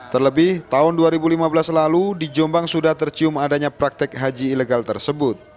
terlebih tahun dua ribu lima belas lalu di jombang sudah tercium adanya praktek haji ilegal tersebut